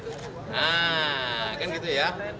nah kan gitu ya